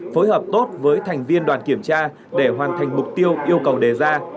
phối hợp tốt với thành viên đoàn kiểm tra để hoàn thành mục tiêu yêu cầu đề ra